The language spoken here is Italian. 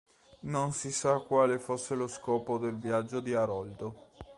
Non si sa quale fosse lo scopo del viaggio di Aroldo.